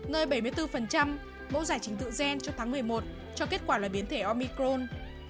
nơi bảy mươi bốn mẫu giải trình tự gen cho tháng một mươi một cho kết quả là biến thể omicron